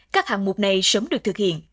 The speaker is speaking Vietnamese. các hạng mục này sớm được thực hiện